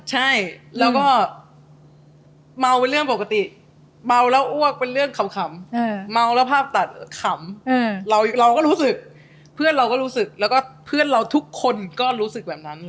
ใช่แล้วก็เมาเป็นเรื่องปกติเมาแล้วอ้วกเป็นเรื่องขำเมาแล้วภาพตัดขำเราก็รู้สึกเพื่อนเราก็รู้สึกแล้วก็เพื่อนเราทุกคนก็รู้สึกแบบนั้น